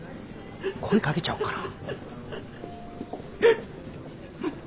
声かけちゃおうかな。